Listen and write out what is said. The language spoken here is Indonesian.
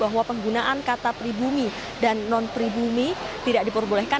bahwa penggunaan kata pribumi dan non pribumi tidak diperbolehkan